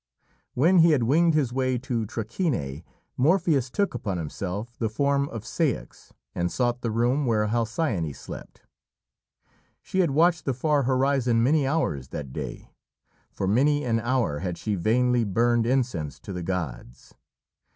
When he had winged his way to Trachine, Morpheus took upon himself the form of Ceyx and sought the room where Halcyone slept. She had watched the far horizon many hours that day. For many an hour had she vainly burned incense to the gods.